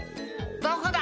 「どこだ！